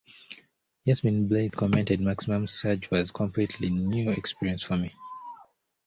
Yasmine Bleeth commented "Maximum Surge" was a completely new experience for me.